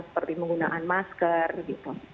seperti menggunakan masker gitu